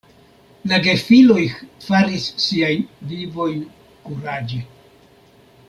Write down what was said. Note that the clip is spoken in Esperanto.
La gefiloj faris siajn vivojn kuraĝe.